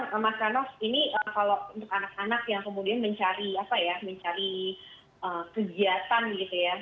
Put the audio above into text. ya memang mas ranoff ini kalau untuk anak anak yang kemudian mencari kegiatan gitu ya